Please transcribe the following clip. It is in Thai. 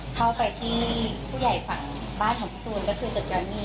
เข้าไปที่ผู้ใหญ่ฝั่งบ้านของพี่ตูนก็คือจุดดัมมี่